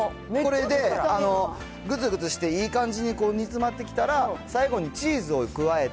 これでぐつぐつしていい感じに煮詰まってきたら、最後にチー楽しみ。